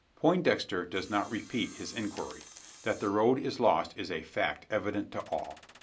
Poindexter does not repeat his inquiry. That the road is lost is a fact evident to all.